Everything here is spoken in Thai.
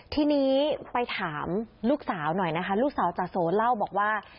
ทีนี้ไปถามลูกสาวหน่อยนะคะลูกสาวจาโสเล่าบอกว่า